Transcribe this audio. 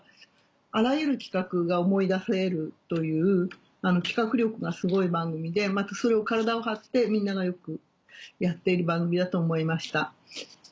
あらゆる企画が思い出せるという企画力がすごい番組でまたそれを体を張ってみんながよくやっている番組だと思いました。